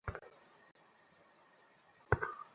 ভাবলাম আমার সময় হয়ে গেছে!